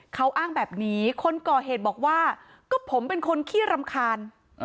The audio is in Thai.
เขาอ้างแบบนี้คนก่อเหตุบอกว่าก็ผมเป็นคนขี้รำคาญ